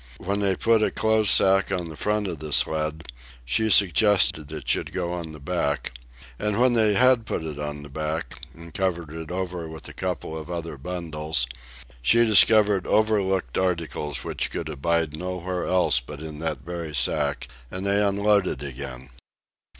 When they put a clothes sack on the front of the sled, she suggested it should go on the back; and when they had put it on the back, and covered it over with a couple of other bundles, she discovered overlooked articles which could abide nowhere else but in that very sack, and they unloaded again.